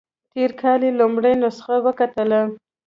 تېر کال یې لومړنۍ نسخه وکتله.